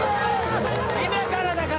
今からだから！